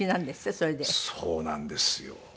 そうなんですよ。